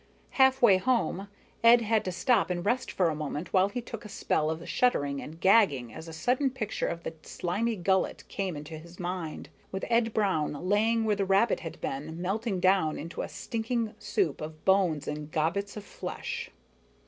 Halfway home, Ed had to stop and rest for a moment while he took a spell of shuddering and gagging as a sudden picture of the slimy gullet came into his mind, with Ed Brown laying where the rabbit had been, melting down into a stinking soup of bones and gobbets of flesh.